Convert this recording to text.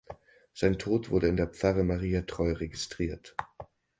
Sein Tod wurde in der Pfarre Maria Treu registriert.